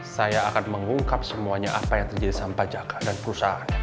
saya akan mengungkap semuanya apa yang terjadi sama jaka dan perusahaan